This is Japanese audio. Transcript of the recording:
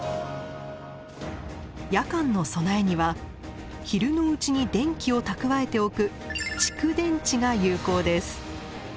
夜間の備えには昼のうちに電気を蓄えておく蓄電池が有効です。